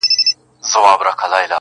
پټیږي که امي دی که مُلا په کرنتین کي؛